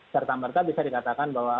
serta merta bisa dikatakan bahwa